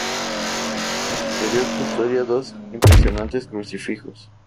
En su interior custodia dos impresionantes Crucifijos.